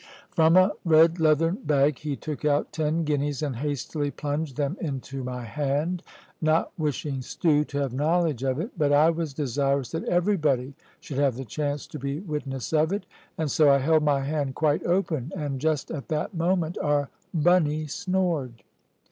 From a red leathern bag he took out ten guineas, and hastily plunged them into my hand, not wishing Stew to have knowledge of it. But I was desirous that everybody should have the chance to be witness of it, and so I held my hand quite open. And just at that moment our Bunny snored.